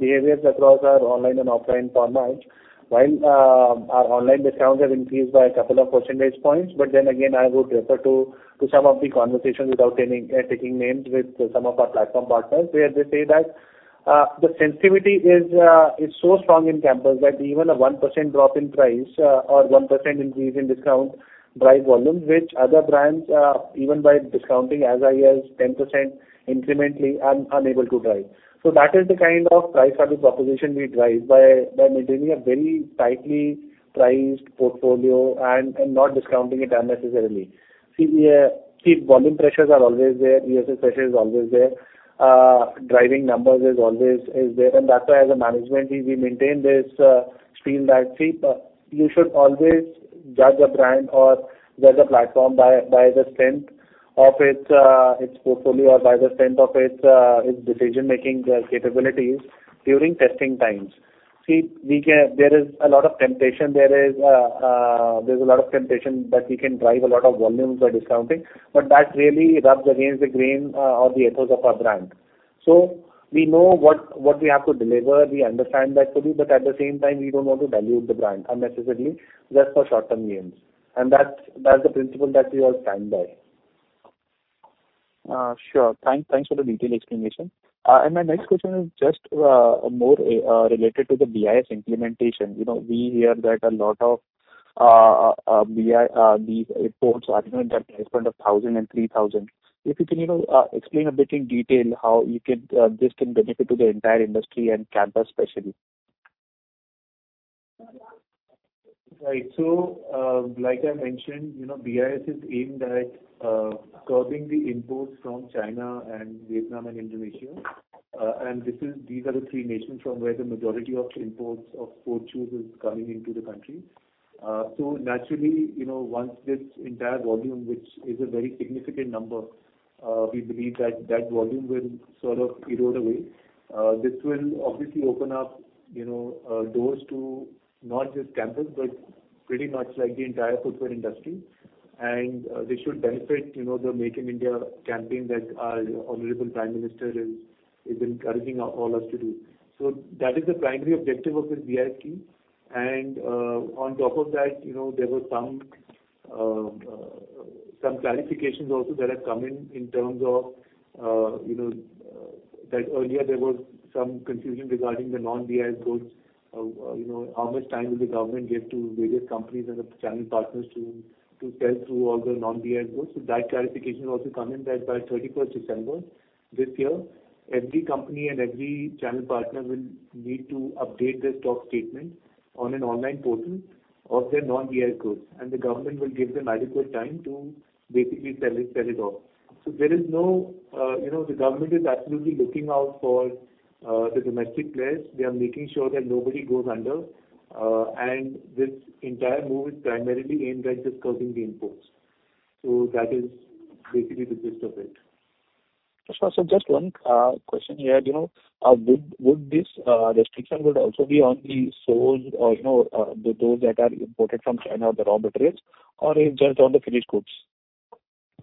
behaviors across our online and offline formats, while our online discounts have increased by a couple of percentage points. But then again, I would refer to some of the conversations without naming, taking names with some of our platform partners, where they say that the sensitivity is so strong in Campus, that even a 1% drop in price or 1% increase in discount drive volumes, which other brands even by discounting as high as 10% incrementally are unable to drive. So that is the kind of price value proposition we drive by maintaining a very tightly priced portfolio and not discounting it unnecessarily. See, yeah, see, volume pressures are always there. ESS pressure is always there. Driving numbers is always, and that's why as a management, we maintain this stream that... See, you should always judge a brand or judge a platform by the strength of its portfolio or by the strength of its decision-making capabilities during testing times. See, we can—there is a lot of temptation that we can drive a lot of volumes by discounting, but that really rubs against the grain or the ethos of our brand. So we know what we have to deliver. We understand that fully, but at the same time, we don't want to dilute the brand unnecessarily just for short-term gains, and that's the principle that we all stand by. Sure. Thanks for the detailed explanation. And my next question is just more related to the BIS implementation. You know, we hear that a lot of BIS imports are, you know, in the range of 1,000-3,000. If you can, you know, explain a bit in detail how you could this can benefit to the entire industry and Campus especially. Right. So, like I mentioned, you know, BIS is aimed at curbing the imports from China and Vietnam and Indonesia. And this is... These are the three nations from where the majority of imports of footwear is coming into the country. So naturally, you know, once this entire volume, which is a very significant number, we believe that that volume will sort of erode away. This will obviously open up, you know, doors to not just Campus, but pretty much like the entire footwear industry. And this should benefit, you know, the Make in India campaign that our honorable Prime Minister is encouraging all us to do. So that is the primary objective of this BIS scheme. On top of that, you know, there were some clarifications also that have come in, in terms of, you know, that earlier there was some confusion regarding the non-BIS goods. You know, how much time will the government give to various companies and the channel partners to sell through all the non-BIS goods? So that clarification also come in that by 31st December this year, every company and every channel partner will need to update their stock statement on an online portal of their non-BIS goods, and the government will give them adequate time to basically sell it, sell it off. So there is no, you know, the government is absolutely looking out for the domestic players. They are making sure that nobody goes under, and this entire move is primarily aimed at just curbing the imports. That is basically the gist of it. Sir, so just one question here, you know, would this restriction also be on the soles or, you know, those that are imported from China, the raw materials, or is just on the finished goods?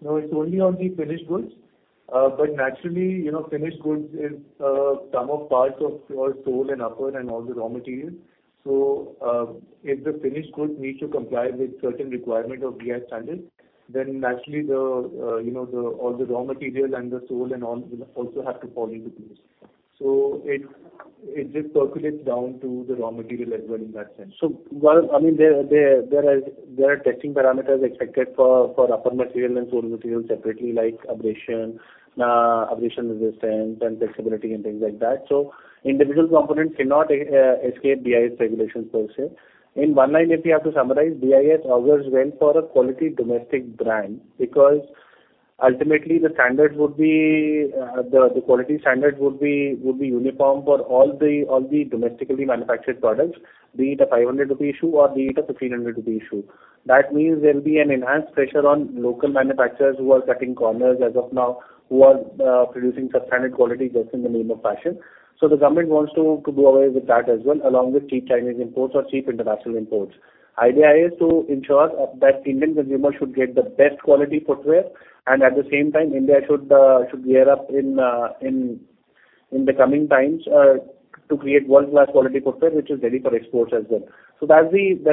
No, it's only on the finished goods. But naturally, you know, finished goods is sum of parts of your sole and upper and all the raw materials. So, if the finished goods need to comply with certain requirement of BIS standard, then naturally, you know, all the raw materials and the sole and all will also have to fall into place. So it just percolates down to the raw material as well in that sense. So while, I mean, there are testing parameters expected for upper material and sole material separately, like abrasion, abrasion resistance and flexibility and things like that. So individual components cannot escape BIS regulations per se. In one line, if we have to summarize, BIS always went for a quality domestic brand, because ultimately the standards would be, the quality standards would be uniform for all the, all the domestically manufactured products, be it a 500 rupee shoe or be it a 1,500 rupee shoe. That means there will be an enhanced pressure on local manufacturers who are cutting corners as of now, who are producing substandard quality just in the name of fashion. So the government wants to do away with that as well, along with cheap Chinese imports or cheap international imports. Idea is to ensure that Indian consumers should get the best quality footwear, and at the same time, India should gear up in the coming times to create world-class quality footwear, which is ready for exports as well. That's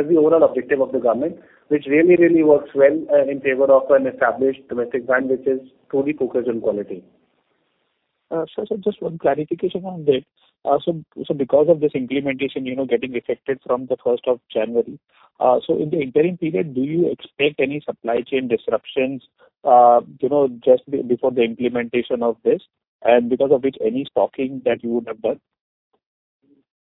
the overall objective of the government, which really, really works well in favor of an established domestic brand, which is truly focused on quality. Sir, so just one clarification on this. So because of this implementation, you know, getting affected from the January 1, so in the interim period, do you expect any supply chain disruptions, you know, just before the implementation of this, and because of which, any stocking that you would have done?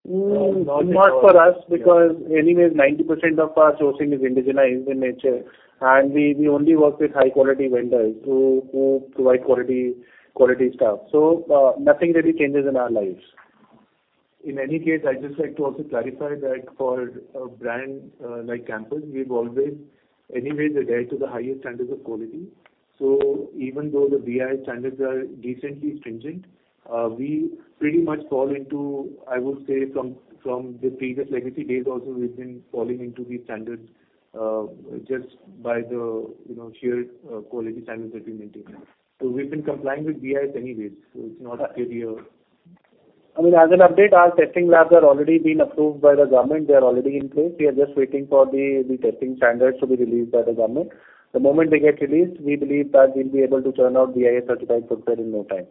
Not for us, because anyways, 90% of our sourcing is indigenized in nature, and we only work with high-quality vendors to provide quality stuff. So, nothing really changes in our lives. In any case, I'd just like to also clarify that for a brand like Campus, we've always anyway adhered to the highest standards of quality. So even though the BIS standards are decently stringent, we pretty much fall into, I would say, from the previous legacy days also, we've been falling into the standards just by the, you know, sheer quality standards that we maintain. So we've been complying with BIS anyways, so it's not really a... I mean, as an update, our testing labs are already been approved by the government. They are already in place. We are just waiting for the testing standards to be released by the government. The moment they get released, we believe that we'll be able to turn out BIS-certified footwear in no time.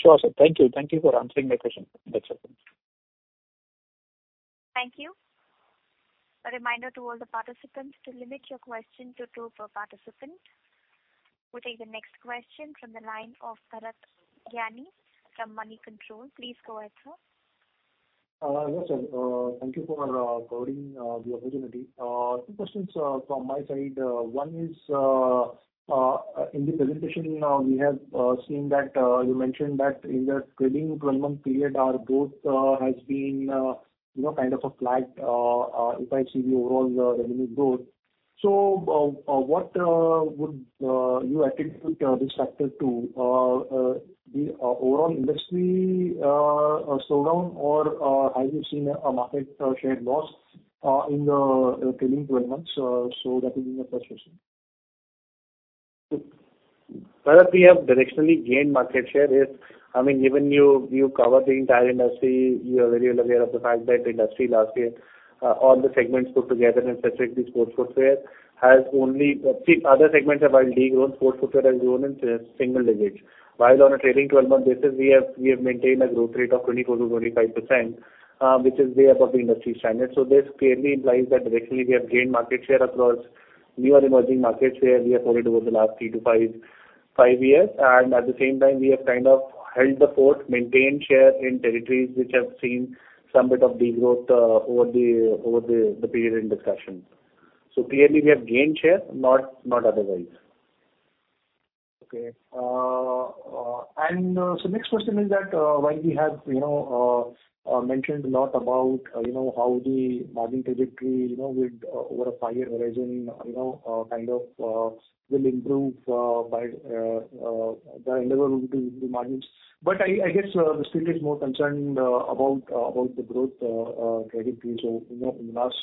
Sure, sir. Thank you. Thank you for answering my question. That's it. Thank you. A reminder to all the participants to limit your question to two per participant. We'll take the next question from the line of Bharat Gianani from Moneycontrol. Please go ahead, sir. Yes, sir, thank you for providing the opportunity. Two questions from my side. One is, in the presentation, we have seen that you mentioned that in the trailing twelve-month period, our growth has been, you know, kind of a flat if I see the overall revenue growth. So, what would you attribute this factor to? The overall industry slowdown, or have you seen a market share loss in the trailing twelve months? So that will be my first question. Bharat, we have directionally gained market share. If, I mean, given you, you cover the entire industry, you are very well aware of the fact that the industry last year, all the segments put together, and specifically sports footwear, has only... Other segments have, while de-grown, sports footwear has grown in single digits. While on a trailing twelve-month basis, we have maintained a growth rate of 24%-25%, which is way above the industry standard. So this clearly implies that directionally we have gained market share across new and emerging markets, where we have grown over the last three to five years. And at the same time, we have kind of held the fort, maintained share in territories which have seen some bit of degrowth, over the period in discussion. Clearly, we have gained share, not, not otherwise. Okay. So next question is that, while we have, you know, mentioned a lot about, you know, how the margin trajectory, you know, with over a five-year horizon, you know, kind of will improve by the level to the margins. But I guess the street is more concerned about the growth trajectory. So, you know, in the last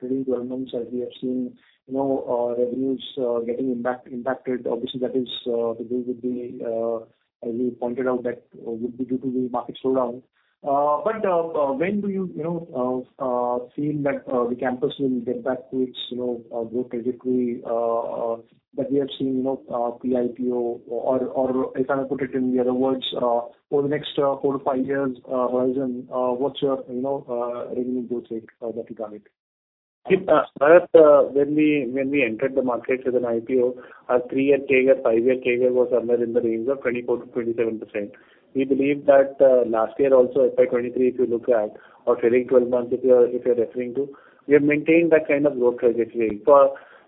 trailing twelve months, as we have seen, you know, revenues getting impacted. Obviously, that is to do with the, as you pointed out, that would be due to the market slowdown. But, when do you, you know, feel that the Campus will get back to its, you know, growth trajectory that we have seen, you know, pre-IPO or, or if I put it in the other words, for the next four to five years horizon, what's your, you know, revenue growth rate that you got it? See, when we, when we entered the market with an IPO, our three-year CAGR, five-year CAGR was somewhere in the range of 24%-27%. We believe that, last year also, FY23, if you look at or trailing twelve months, if you are, if you're referring to, we have maintained that kind of growth trajectory.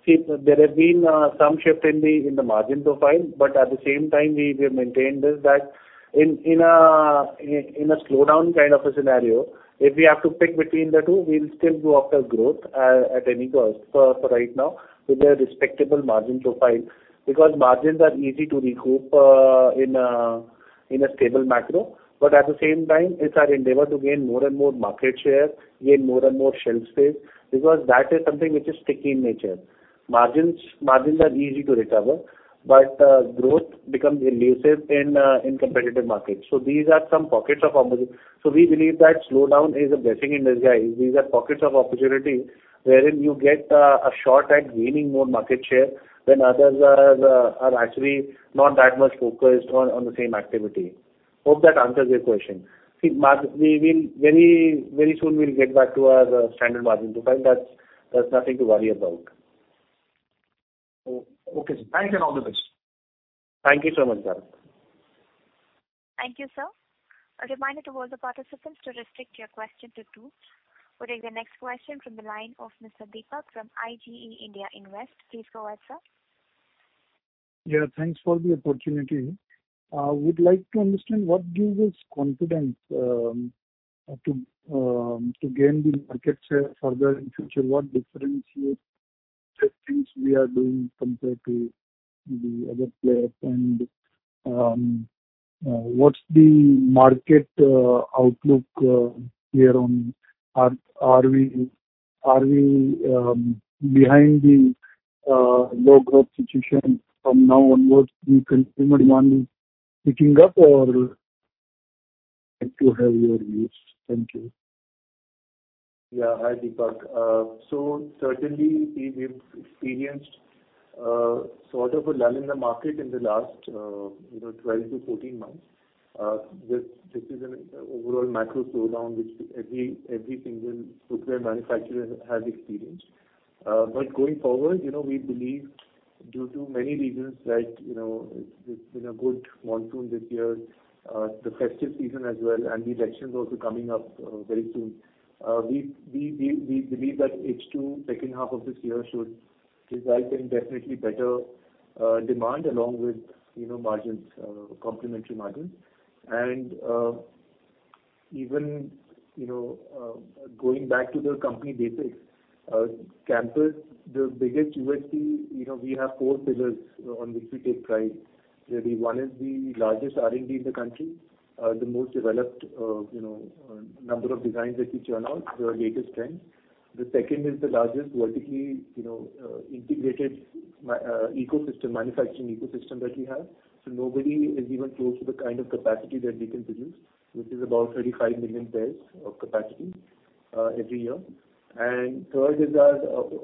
See, there has been, some shift in the, in the margin profile, but at the same time, we, we have maintained this, that in, in a, in, in a slowdown kind of a scenario, if we have to pick between the two, we'll still go after growth, at any cost for, for right now, with a respectable margin profile. Because margins are easy to recoup, in a stable macro, but at the same time, it's our endeavor to gain more and more market share, gain more and more shelf space, because that is something which is sticky in nature. Margins, margins are easy to recover, but growth becomes elusive in competitive markets. So these are some pockets of opportunity. So we believe that slowdown is a blessing in disguise. These are pockets of opportunity wherein you get a short at gaining more market share when others are actually not that much focused on the same activity. Hope that answers your question. See, we will very, very soon we'll get back to our standard margin profile. That's... There's nothing to worry about. Oh, okay, sir. Thanks and all the best. Thank you so much, sir. Thank you, sir. A reminder to all the participants to restrict your question to two. We'll take the next question from the line of Mr. Deepak from IGE India Invest. Please go ahead, sir. Yeah, thanks for the opportunity. We'd like to understand what gives us confidence to gain the market share further in future? What differentiates the things we are doing compared to the other players? And, what's the market outlook here on... Are we behind the low growth situation from now onwards, the consumer demand picking up or like to have your views? Thank you. Yeah. Hi, Deepak. So certainly we've experienced sort of a lull in the market in the last, you know, 12-14 months. This is an overall macro slowdown, which every single footwear manufacturer has experienced. But going forward, you know, we believe due to many reasons, like, you know, it's been a good monsoon this year, the festive season as well, and the elections also coming up very soon. We believe that H2 of this year, should result in definitely better demand along with, you know, margins, complementary margins. And even, you know, going back to the company basics, Campus, the biggest USP, you know, we have four pillars on which we take pride. Really, one is the largest R&D in the country, the most developed, you know, number of designs that we churn out, the latest trends. The second is the largest vertically, you know, integrated ecosystem, manufacturing ecosystem that we have. So nobody is even close to the kind of capacity that we can produce, which is about 35 million pairs of capacity every year. And third is our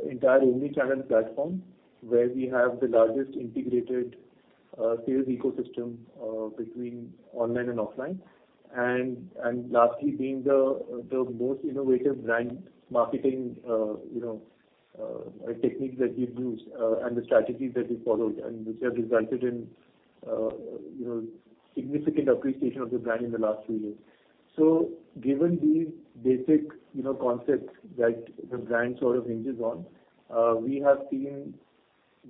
entire omni-channel platform, where we have the largest integrated sales ecosystem between online and offline. And lastly, being the most innovative brand marketing, you know, techniques that we've used, and the strategies that we followed and which have resulted in, you know, significant appreciation of the brand in the last few years. Given these basic, you know, concepts that the brand sort of hinges on, we have seen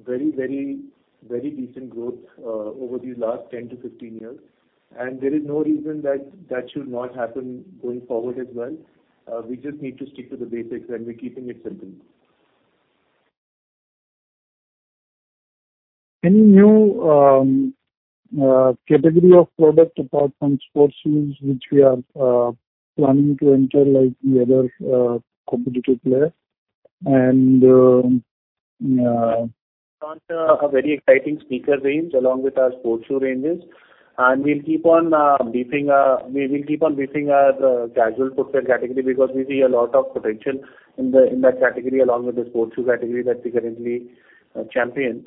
very, very, very decent growth over the last 10-15 years, and there is no reason that that should not happen going forward as well. We just need to stick to the basics, and we're keeping it simple. Any new category of product apart from sports shoes, which we are planning to enter like the other competitive player? And A very exciting sneaker range along with our sports shoe ranges, and we'll keep on beefing up. We will keep on beefing up the casual footwear category, because we see a lot of potential in that category, along with the sports shoe category that we currently champion.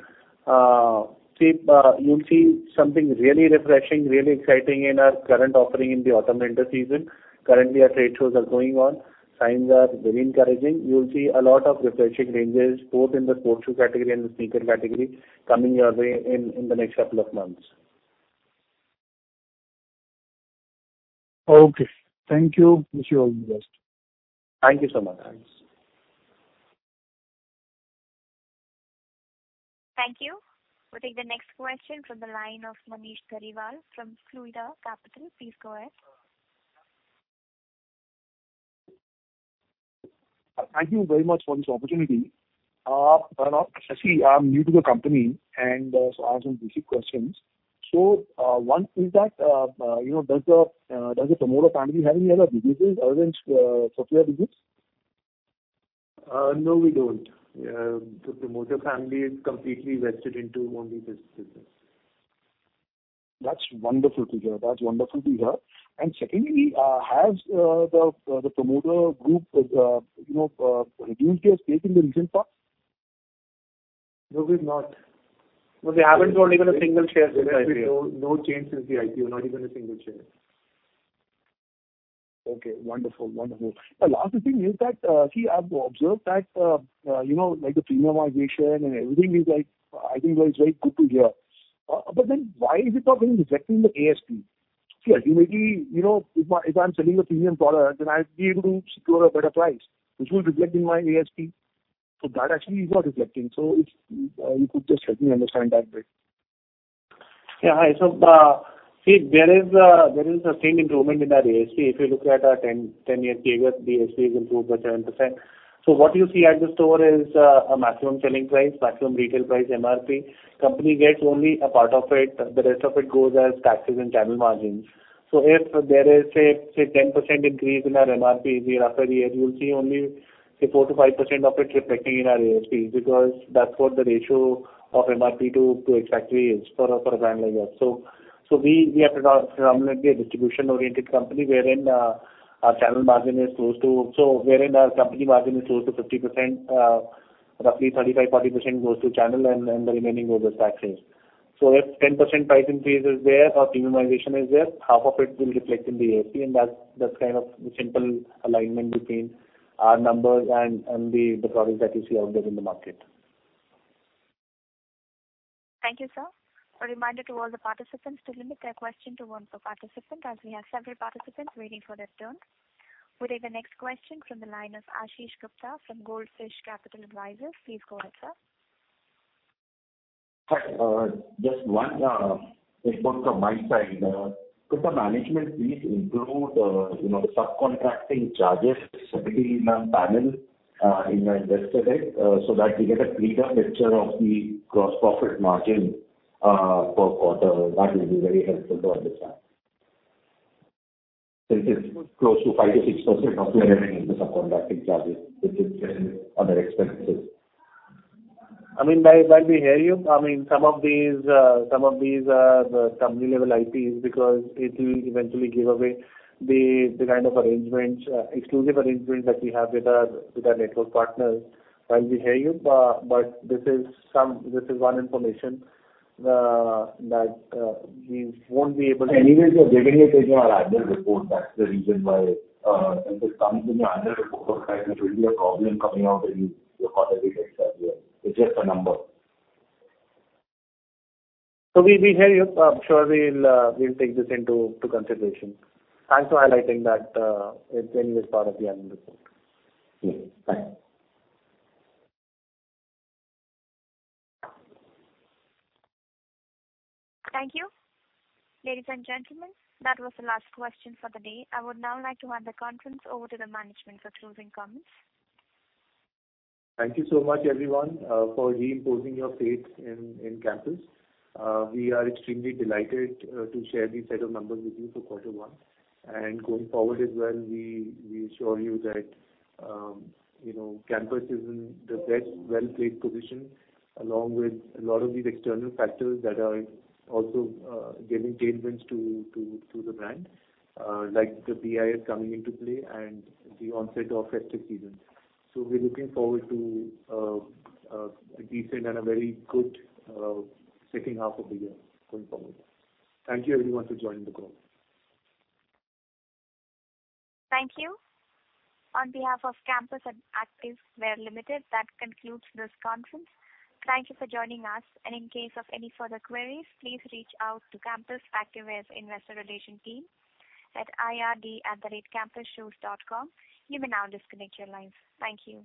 See, you'll see something really refreshing, really exciting in our current offering in the autumn-winter season. Currently, our trade shows are going on. Signs are very encouraging. You'll see a lot of refreshing ranges, both in the sports shoe category and the sneaker category, coming your way in the next couple of months. Okay. Thank you. Wish you all the best. Thank you so much. Thank you. We'll take the next question from the line of Manish Agarwal from Fluida Capital. Please go ahead. Thank you very much for this opportunity. I'm new to the company, and so I have some basic questions. So, one is that, you know, does the promoter family have any other businesses other than footwear business? ...No, we don't. The promoter family is completely vested into only this business. That's wonderful to hear. That's wonderful to hear. And secondly, has the promoter group, you know, reduced their stake in the recent past? No, we've not. No, they haven't sold even a single share since IPO. No change since the IPO, not even a single share. Okay, wonderful. Wonderful. The last thing is that, see, I've observed that, you know, like the premiumization and everything is like, I think it's very good to hear. But then why is it not reflecting in the ASP? See, ultimately, you know, if I, if I'm selling a premium product, then I'll be able to secure a better price, which will reflect in my ASP. So that actually is not reflecting. So if you could just help me understand that bit. Yeah, so, see, there is the same improvement in our ASP. If you look at our 10-year figure, the ASP has improved by 7%. So what you see at the store is a maximum selling price, maximum retail price, MRP. Company gets only a part of it, the rest of it goes as taxes and channel margins. So if there is, say, 10% increase in our MRP year after year, you'll see only, say, 4%-5% of it reflecting in our ASP, because that's what the ratio of MRP to ex-factory is for a brand like us. So we have to predominantly a distribution-oriented company, wherein our channel margin is close to... So wherein our company margin is close to 50%, roughly 35%-40% goes to channel, and the remaining goes as taxes. So if 10% price increase is there or premiumization is there, half of it will reflect in the ASP, and that's kind of the simple alignment between our numbers and the products that you see out there in the market. Thank you, sir. A reminder to all the participants to limit their question to one per participant, as we have several participants waiting for their turn. We take the next question from the line of Ashish Gupta from Goldfish Capital Advisors. Please go ahead, sir. Hi, just one request from my side. Could the management please include, you know, the subcontracting charges separately in our panel, in our investor deck, so that we get a clearer picture of the gross profit margin per quarter? That will be very helpful to understand. Since it's close to 5%-6% of the remaining, the subcontracting charges, which is in other expenses. I mean, I hear you. I mean, some of these are the company-level IPs, because it will eventually give away the kind of arrangements, exclusive arrangements that we have with our network partners. I hear you, but this is some-- this is one information that we won't be able to- Anyway, so giving a page on our annual report, that's the reason why, and this comes in the annual report, so it will be a problem coming out in your quarterly results as well. It's just a number. We hear you. I'm sure we'll take this into consideration. Thanks for highlighting that, it's anyways part of the annual report. Yes. Bye. Thank you. Ladies and gentlemen, that was the last question for the day. I would now like to hand the conference over to the management for closing comments. Thank you so much, everyone, for reinforcing your faith in Campus. We are extremely delighted to share these set of numbers with you for Q1. Going forward as well, we assure you that, you know, Campus is in the best well-placed position, along with a lot of these external factors that are also giving tailwinds to the brand, like the BIS coming into play and the onset of festive season. So we're looking forward to a decent and a very good second half of the year going forward. Thank you everyone for joining the call. Thank you. On behalf of Campus Activewear Limited, that concludes this conference. Thank you for joining us, and in case of any further queries, please reach out to Campus Activewear's Investor Relations team at ird@campusshoes.com. You may now disconnect your lines. Thank you.